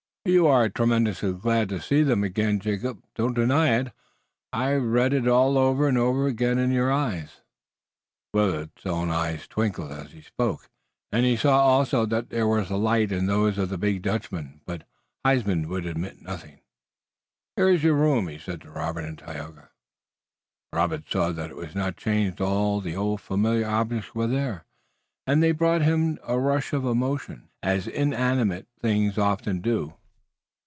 "But you are tremendously glad to see them again, Jacob. Don't deny it. I read it over and over again in your eyes." Willet's own eyes twinkled as he spoke, and he saw also that there was a light in those of the big Dutchman. But Huysman would admit nothing. "Here iss your room," he said to Robert and Tayoga. Robert saw that it was not changed. All the old, familiar objects were there, and they brought to him a rush of emotion, as inanimate things often do.